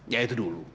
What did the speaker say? ya itu dulu